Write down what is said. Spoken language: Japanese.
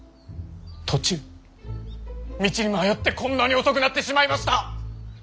途中道に迷ってこんなに遅くなってしまいました。